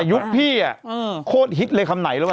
ยุคพี่โคตรฮิตเลยคำไหนแล้วป